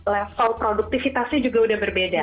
level produktivitasnya juga udah berbeda